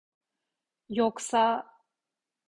Yoksa…